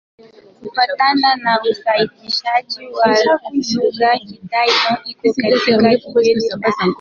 Kufuatana na uainishaji wa lugha, Kitai-Dón iko katika kundi la Kitai ya Kusini-Magharibi.